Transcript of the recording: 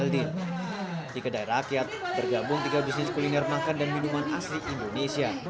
di kedai rakyat tergabung tiga bisnis kuliner makan dan minuman asli indonesia